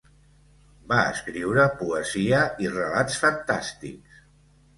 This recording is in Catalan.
Va escriure poesia i relats fantàstics.